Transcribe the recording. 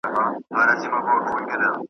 دفترونه د کار مهم ځایونه دي.